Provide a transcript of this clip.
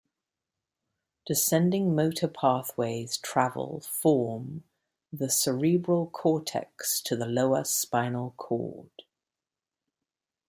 Descending motor pathways travel form the cerebral cortex to the lower spinal cord.